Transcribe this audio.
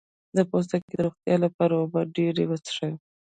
د پوستکي د روغتیا لپاره اوبه ډیرې وڅښئ